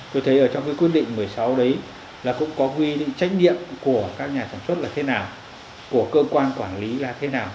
tôi thấy ở trong cái quyết định một mươi sáu đấy là cũng có quy định trách nhiệm của các nhà sản xuất là thế nào của cơ quan quản lý là thế nào